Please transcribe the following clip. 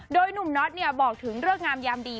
โดยหนุ่มน็อตบอกถึงเลิกงามยามดี